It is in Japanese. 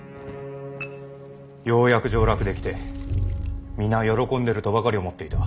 ようやく上洛できて皆喜んでるとばかり思っていた。